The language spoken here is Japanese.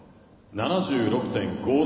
７６．５６！